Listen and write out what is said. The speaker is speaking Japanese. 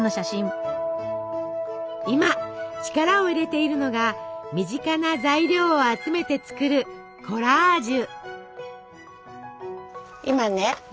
今力を入れているのが身近な材料を集めて作るコラージュ。